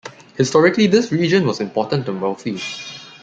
Historically, this region was important and wealthy.